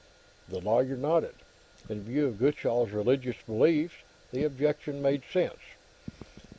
The lawyer nodded. In view of Gutchall's religious beliefs, the objection made sense.